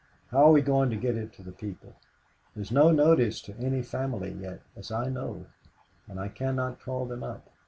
How are we going to get it to the people? There is no notice to any family yet, as I know, and I cannot call them up.